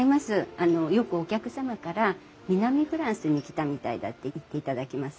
あのよくお客様から「南フランスに来たみたいだ」って言っていただけます。